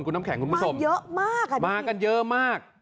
คุณน้ำแข็งคุณผู้ชมเยอะมากอ่ะมากันเยอะมาก